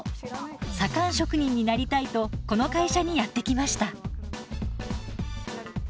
左官職人になりたいとこの会社にやって来ました。